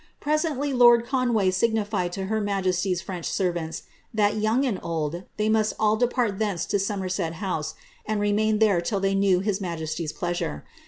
Presently lord Conway signified to her majesty's French fanta, that, yonng and old, they must all depart thence to Somerset Msai and remain there till they knew his miyesty's pleasure.